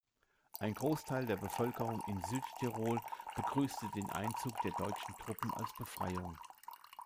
Ein Großteil der Bevölkerung in Südtirol begrüßte den Einzug der deutschen Truppen als Befreiung.